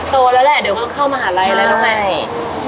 โตแล้วแหละเดี๋ยวก็เข้ามหาลัยแล้วไง